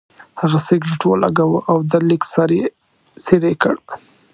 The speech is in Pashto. هغه سګرټ ولګاوه او د لیک سر یې څېرې کړ.